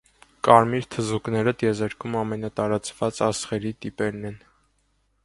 Կարմիր թզուկները տիեզերքում ամենատարածված աստղերի տիպերն են։